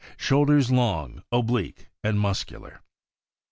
Shoulders long, oblique, and muscular.